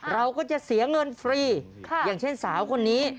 เราก็จะเสียเงินฟรีอย่างเช่นสาวคนนี้